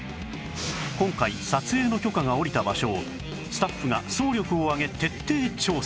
今回撮影の許可が下りた場所をスタッフが総力を挙げ徹底調査